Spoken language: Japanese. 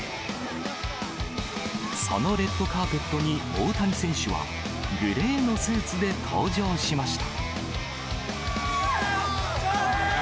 そのレッドカーペットに、大谷選手はグレーのスーツで登場しました。